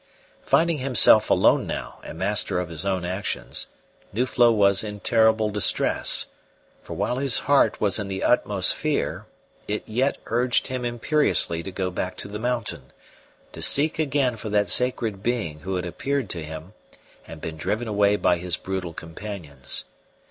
Finding himself alone now and master of his own actions, Nuflo was in terrible distress, for while his heart was in the utmost fear, it yet urged him imperiously to go back to the mountain, to seek again for that sacred being who had appeared to him and had been driven away by his brutal companions.